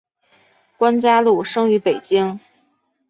关嘉禄生于北京。